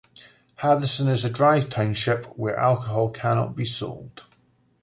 Harrison is a dry township where alcohol cannot be sold.